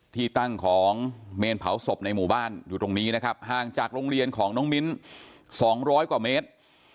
ที่ตั้งของเมนเผาศพในหมู่บ้านอยู่ตรงนี้นะครับห่างจากโรงเรียนของน้องมิ้น๒๐๐กว่าเมตร